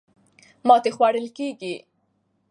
ماتې خوړل کېږي.